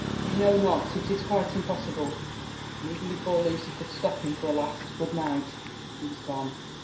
*' You know not — it is quite impossible!" And even boldfa Luoy ebuld stop him for a last '* good night 1" he was gone.